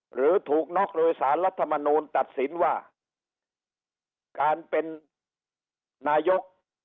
หรือถูกน็อกโดยสารรัฐมนูลตัดสินว่าการเป็นนายก